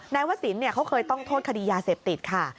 วสินเขาเคยต้องโทษคดียาเสพติดค่ะ